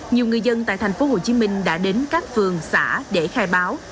nhiều người dân tại tp hcm đã đến các phường xã để khai báo